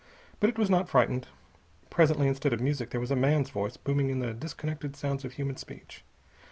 But it was not frightened. Presently, instead of music, there was a man's voice booming in the disconnected sounds of human speech.